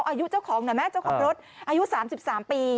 อายุเจ้าของหน่อยไหมเจ้าของรถอายุ๓๓ปี